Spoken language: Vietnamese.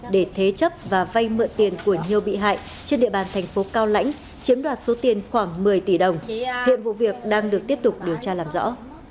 để thế chấp và vay mượn tiền của nhiều bị hại trên địa bàn thành phố cao lãnh chiếm đoạt số tiền khoảng một mươi tỷ đồng hiện vụ việc đang được tiếp tục điều tra làm rõ